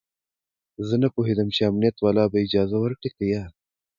زه نه پوهېدم چې امنيت والا به اجازه ورکړي که يه.